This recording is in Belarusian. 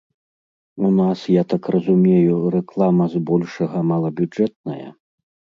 У нас, я так разумею, рэклама збольшага малабюджэтная?